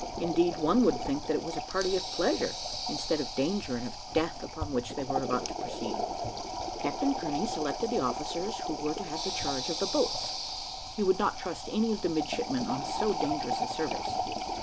Indeed, one would think that it was a party of pleasure instead of danger and of death upon which they were about to proceed. Captain Kearney selected the officers who were to have the charge of the boats. He would not trust any of the midshipmen on so dangerous a service.